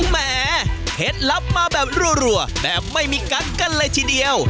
แหมเคล็ดลับมาแบบรัวแบบไม่มีกั๊กกันเลยทีเดียว